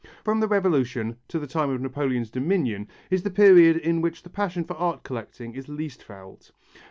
From the Revolution to the time of Napoleon's dominion is the period in which the passion for art collecting is least felt.